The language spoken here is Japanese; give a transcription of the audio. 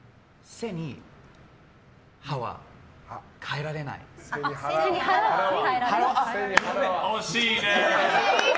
背に腹は変えられないだね。